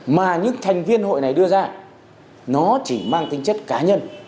mà những thành viên hội này đưa ra nó chỉ mang tính chất cá nhân